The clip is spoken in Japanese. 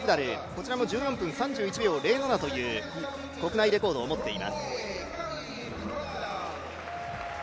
こちらも１４分３１秒０７という国内レコードを持っています。